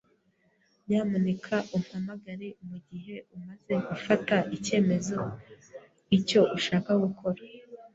Nyamuneka umpamagare mugihe umaze gufata icyemezo icyo ushaka gukora.